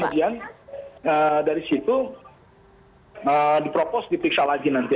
kemudian dari situ dipropos dipiksa lagi nanti